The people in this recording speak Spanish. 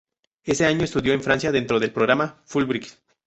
Ese año, estudió en Francia dentro del programa Fulbright.